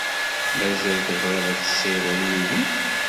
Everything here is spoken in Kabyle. Mazal tebɣid ad tessiwled yid-i?